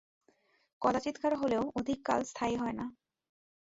কদাচিৎ কারও হলেও অধিক কাল স্থায়ী হয় না।